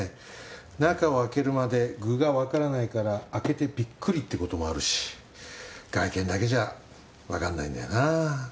中を開けるまで具がわからないから開けてびっくりってこともあるし外見だけじゃわかんないんだよな。